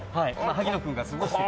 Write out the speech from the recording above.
萩野君が過ごしてた。